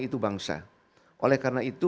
itu bangsa oleh karena itu